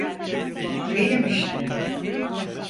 Benim işte.